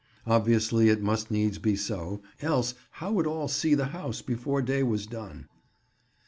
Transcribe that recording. Obviously it must needs be so, else how would all see the house before day was done?